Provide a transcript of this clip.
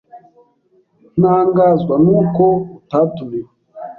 Ntangazwa nuko utatumiwe.